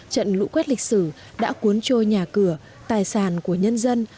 hai nghìn một mươi tám trận lũ quét lịch sử đã cuốn trôi nhà cửa tài sản của nhân dân